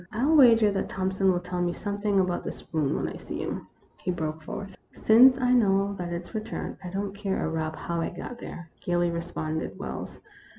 " I '11 wager that Thompson will tell me some thing about that spoon when I see him," he broke forth. " Since I know that it 's returned, I don't care a rap how it got there," gaily responded Wells.